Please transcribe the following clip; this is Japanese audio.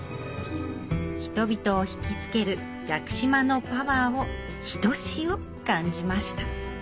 人々を引き付ける屋久島のパワーをひとしお感じました